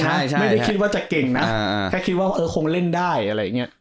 ใช่ไม่ได้คิดว่าจะเก่งนะแค่คิดว่าเออคงเล่นได้อะไรอย่างเงี้ย